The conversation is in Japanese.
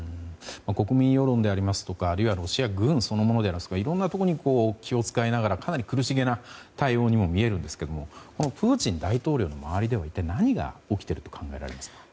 国民世論でありますとかロシア軍そのものだったりいろんなところに気を使いながらかなり苦しげな対応にも見えるんですがプーチン大統領の周りでは一体何が起きていると考えられますか？